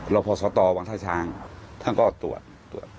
รพสตวังท่าช่างท่านก็ตรวจ